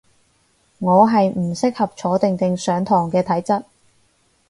我係唔適合坐定定上堂嘅體質